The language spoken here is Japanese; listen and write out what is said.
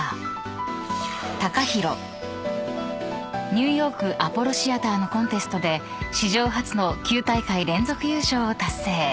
［ニューヨークアポロシアターのコンテストで史上初の９大会連続優勝を達成］